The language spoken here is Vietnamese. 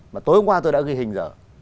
mà tối hôm qua tôi đã ghi hình rồi